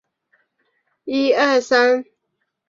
圣日尔曼德克莱雷弗伊尔。